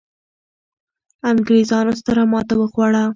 انګرېزانو ستره ماته وخوړه.